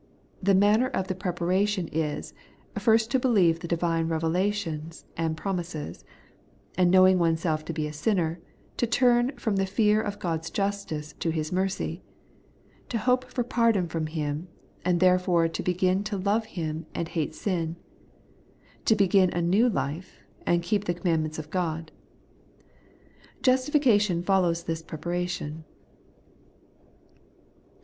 The manner of the preparation is, first to believe the divine revelations and pro mises, and knowing oneself to be a sinner, to turn from the fear of God's justice to His mercy, to hope for pardon from Him, and therefore to begin to love Him and hate sin, to begin a new life, and keep the commandments of God. Justification follows this preparation.'